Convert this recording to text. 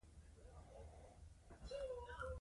نهه مخه وه او ما ئې کار پرون ور خلاص کړ.